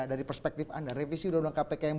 dari perspektif anda revisi undang undang kpk yang